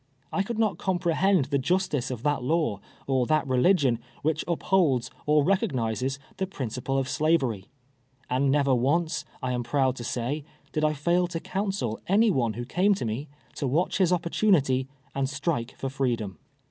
I could not comprehend the justice of that law, or that religion, which upholds or recognizes the principle of Slavery; and never once, I am proud to say, did I fail to counsel any one who came to me, to watch his opportunity, and strike for freedom.